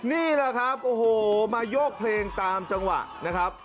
นี่แหละครับโอ้โหมาโยกเพลงตามจังหวะนะครับ